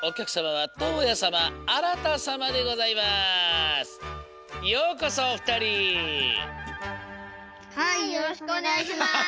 はいよろしくおねがいします。